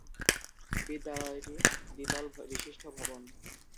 বিদ্যালয়টি দ্বিতল বিশিষ্ট ভবন।